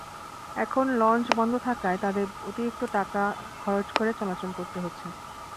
এখন লঞ্চ বন্ধ থাকায় তাঁদের অতিরিক্ত টাকা খরচ করে চলাচল করতে হচ্ছে।